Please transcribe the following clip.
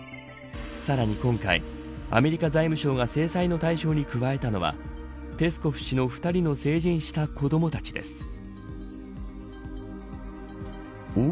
さらに今回アメリカ財務省が制裁の対象に加えたのはペスコフ氏の２人の成人した子どもたちです。